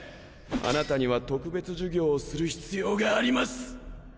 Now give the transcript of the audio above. あなたには特別授業をする必要があります！